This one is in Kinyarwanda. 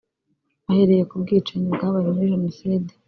Ahereye ku bwicanyi bwabaye muri jenoside